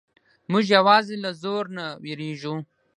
موږ یوازې له زور نه وېریږو.